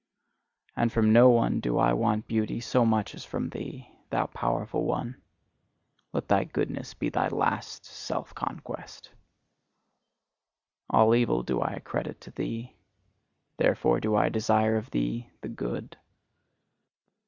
And from no one do I want beauty so much as from thee, thou powerful one: let thy goodness be thy last self conquest. All evil do I accredit to thee: therefore do I desire of thee the good.